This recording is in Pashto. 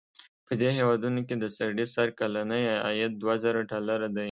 په دې هېوادونو کې د سړي سر کلنی عاید دوه زره ډالره دی.